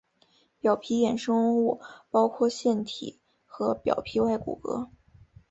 表皮衍生物包括腺体和表皮外骨骼。